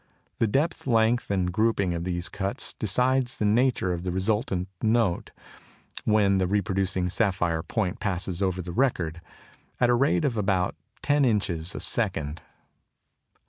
The depth, length, and grouping of the cuts decides the nature of the resultant note when the reproducing sapphire point passes over the record at a rate of about ten inches a second.